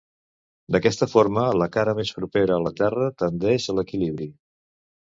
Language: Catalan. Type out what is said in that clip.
D'aquesta forma, la cara més propera a la Terra tendeix a l'equilibri.